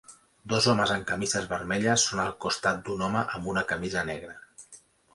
Dos homes amb camises vermelles són al costat d'un home amb una camisa negra.